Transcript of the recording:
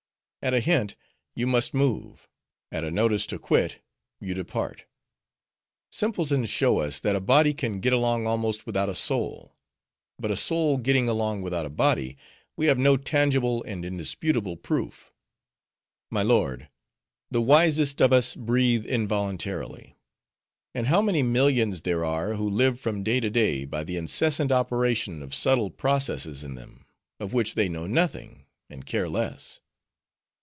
At a hint, you must move; at a notice to quit, you depart. Simpletons show us, that a body can get along almost without a soul; but of a soul getting along without a body, we have no tangible and indisputable proof. My lord, the wisest of us breathe involuntarily. And how many millions there are who live from day to day by the incessant operation of subtle processes in them, of which they know nothing, and care less?